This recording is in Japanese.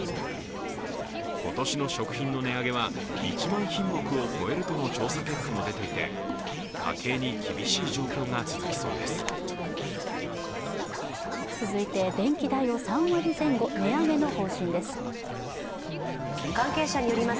今年の食品の値上げは１万品目を超えるとの調査結果も出ていて、家計に厳しい状況が続きそうです。